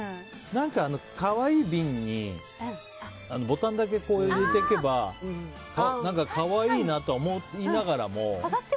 何か可愛い瓶にボタンだけ入れていけば何か可愛いなとは思いながらも。